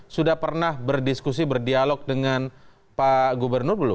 sudah pernah berdiskusi berdialog dengan pak gubernur belum